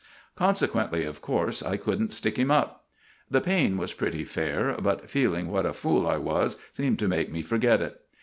Consequently, of course, I couldn't stick him up. The pain was pretty fair, but feeling what a fool I was seemed to make me forget it.